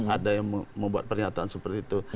ada yang membuat pernyataan seperti itu